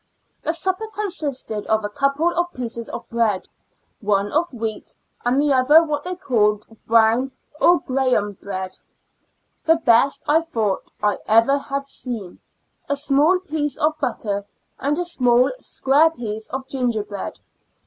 The supper consisted of a couple of pieces of bread, one of wheat, and the other what they called brown or Graham bread — the best I thought I ever had seen — a small piece of butter and a small square piece of gingerbread.